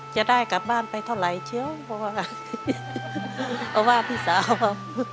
จะได้กลับบ้านไปเท่าไหร่เชียวเพราะว่าพี่สาวเขา